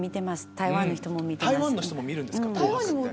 台湾の人も見るんですか！